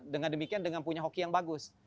dengan demikian dengan punya hoki yang bagus